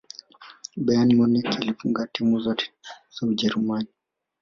bayern munich ilifunga timu zote za ujeruman